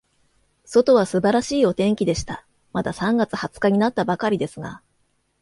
外は素晴らしいお天気でした。まだ三月二十日になったばかりですが、